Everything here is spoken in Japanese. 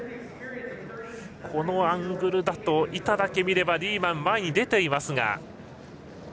このアングルだと板だけ見ればリーマンが前に出ていますが。